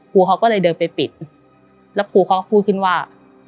ครูเขาก็เลยเดินไปปิดแล้วครูเขาก็พูดขึ้นว่า